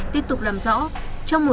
tiếp tục làm rõ